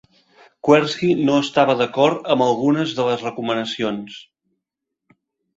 Qureshi no estava d'acord amb algunes de les recomanacions.